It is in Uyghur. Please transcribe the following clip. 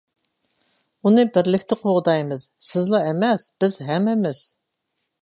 -ئۇنى بىرلىكتە قوغدايمىز. سىزلا ئەمەس، بىز ھەممىمىز!